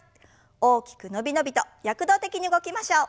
大きく伸び伸びと躍動的に動きましょう。